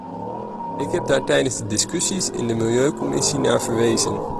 Ik heb daar tijdens de discussies in de milieucommissie naar verwezen.